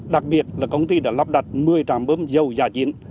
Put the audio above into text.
đặc biệt là công ty đã lắp đặt một mươi tràm bơm dầu giã chiến